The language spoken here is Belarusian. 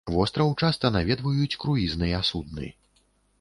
Востраў часта наведваюць круізныя судны.